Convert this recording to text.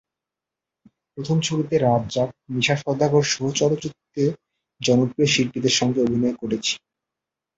প্রথম ছবিতে রাজ্জাক, মিশা সওদাগরসহ চলচ্চিত্রে জনপ্রিয় শিল্পীদের সঙ্গে অভিনয় করেছি।